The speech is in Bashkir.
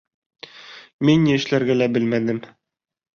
Мин ни эшләргә лә белмәнем.